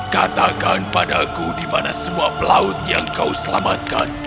katakan padaku di mana semua pelaut yang kau selamatkan